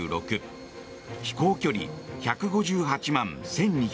飛行距離１５８万１２８１ｋｍ。